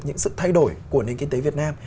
những sự thay đổi của nền kinh tế việt nam